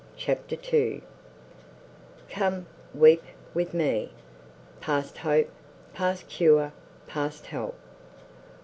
CHAPTER II Come, weep with me;—past hope, past cure, past help!